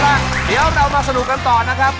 เอาล่ะเดี๋ยวเรามาสนุกกันต่อนะครับ